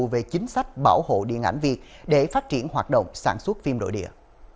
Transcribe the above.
về chính sách bảo hộ điện ảnh việt để phát triển hoạt động sản xuất phim đội địa